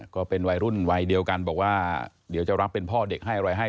ก็เป็นวัยรุ่นวัยเดียวกันบอกว่าเดี๋ยวจะรับเป็นพ่อเด็กให้อะไรให้